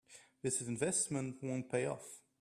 This investment won't pay off.